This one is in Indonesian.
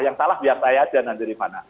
yang salah biar saya saja nanti rifana